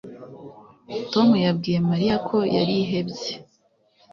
Tom yabwiye Mariya ko yarihebye